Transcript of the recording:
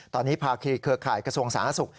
ตอนนี้ภาคีเครือข่ายกระทรวงสาธารณสุข